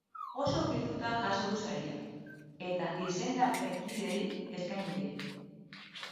Oso hunkituta jaso du saria, eta izendapenkideei eskaini die.